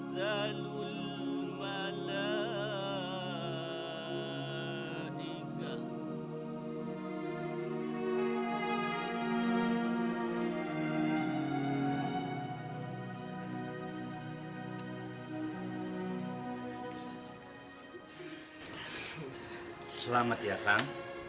selamat ya san